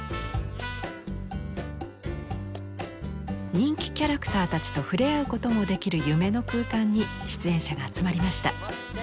人気キャラクターたちと触れ合うこともできる夢の空間に出演者が集まりました。